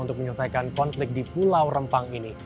untuk menyelesaikan konflik di pulau rempang ini